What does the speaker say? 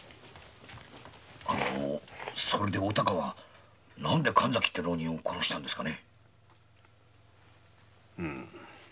それでお孝は何で神崎って浪人を殺したんですかね。